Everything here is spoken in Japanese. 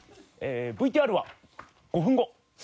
ＶＴＲは５分後。